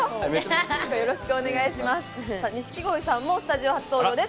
錦鯉さんもスタジオ初登場です。